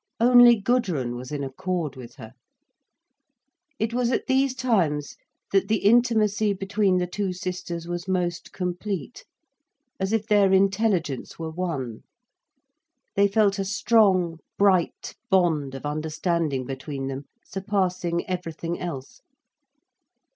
Only Gudrun was in accord with her. It was at these times that the intimacy between the two sisters was most complete, as if their intelligence were one. They felt a strong, bright bond of understanding between them, surpassing everything else.